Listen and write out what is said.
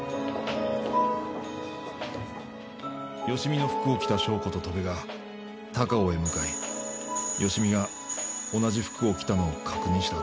芳美の服を着た翔子と戸辺が高尾へ向かい芳美が同じ服を着たのを確認した